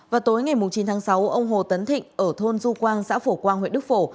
vào tối ngày chín tháng sáu ông hồ tấn thịnh ở thôn du quang xã phổ quang huyện đức phổ